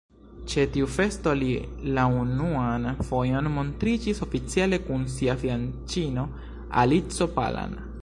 Ĉe tiu festo li la unuan fojon montriĝis oficiale kun sia fianĉino Alico Palam.